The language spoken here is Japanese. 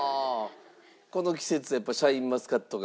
この季節はやっぱりシャインマスカットが？